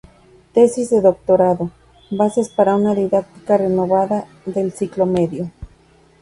Tesis de Doctorado: "Bases para una Didáctica Renovada del Ciclo Medio".